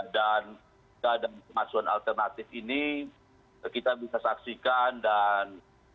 dan ada masalah alternatif ini kita bisa saksikan dan